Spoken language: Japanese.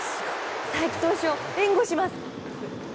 才木投手を援護します。